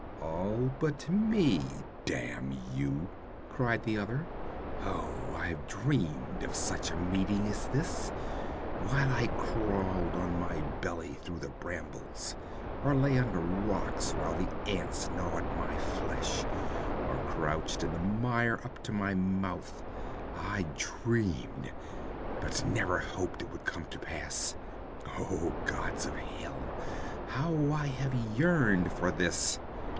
'All but me, damn you!' cried the other. 'Oh, I've dreamed of such a meeting as this, while I crawled on my belly through the brambles, or lay under rocks while the ants gnawed my flesh, or crouched in the mire up to my mouth I dreamed, but never hoped it would come to pass. Oh, gods of Hell, how I have yearned for this!'